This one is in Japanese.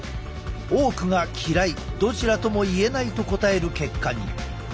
多くが嫌いどちらともいえないと答える結果に。